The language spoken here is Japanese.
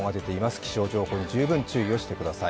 気象情報に十分注意をしてください。